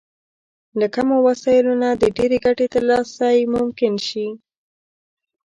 له کمو وسايلو نه د ډېرې ګټې ترلاسی ممکن شي.